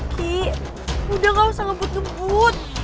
ki udah gak usah ngebut ngebut